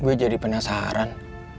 gue jadi penasaran